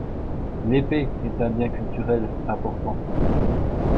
L'épée est un bien culturel important.